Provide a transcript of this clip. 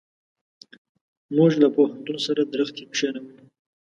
موږ له پوهنتون سره درختي کښېنولې.